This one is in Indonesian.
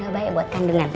lo baik buat kandungan